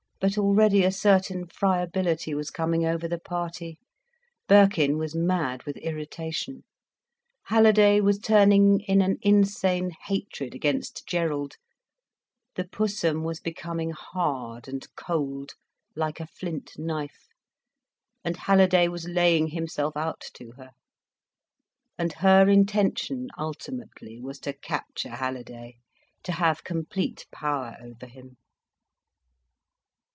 But already a certain friability was coming over the party, Birkin was mad with irritation, Halliday was turning in an insane hatred against Gerald, the Pussum was becoming hard and cold, like a flint knife, and Halliday was laying himself out to her. And her intention, ultimately, was to capture Halliday, to have complete power over him.